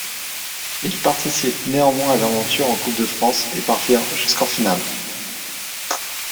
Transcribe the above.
Il participe néanmoins à l'aventure en Coupe de France et parvient jusqu'en finale.